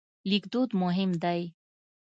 لیکدود مهم دی.